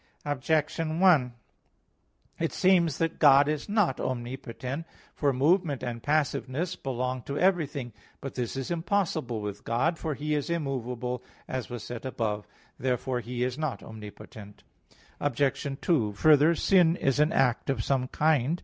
Objection 1: It seems that God is not omnipotent. For movement and passiveness belong to everything. But this is impossible with God, for He is immovable, as was said above (Q. 2, A. 3). Therefore He is not omnipotent. Obj. 2: Further, sin is an act of some kind.